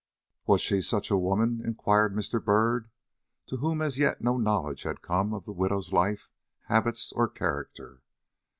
"Was she such a woman?" inquired Mr. Byrd, to whom as yet no knowledge had come of the widow's life, habits, or character.